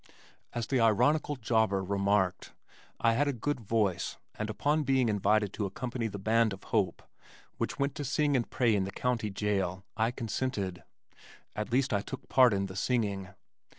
As the ironical jobber remarked, I had a good voice, and upon being invited to accompany the Band of Hope which went to sing and pray in the County Jail, I consented, at least I took part in the singing.